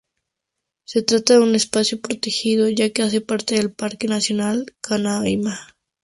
Se trata de un espacio protegido ya que hace parte del Parque nacional Canaima.